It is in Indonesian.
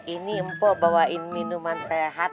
ini empuk bawain minuman sehat